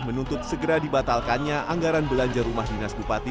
menuntut segera dibatalkannya anggaran belanja rumah dinas bupati